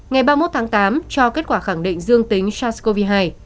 ngày ba mươi một tháng tám cho kết quả khẳng định dương tính sars cov hai